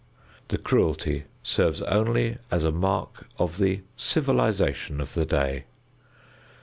The cruelty serves only as a mark of the civilization of the day.